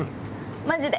マジで。